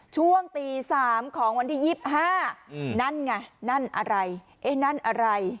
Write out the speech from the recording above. ช่วงตี๓ของวันที่๒๕นั่นไงนั่นอะไรเอ๊ะนั่นอะไร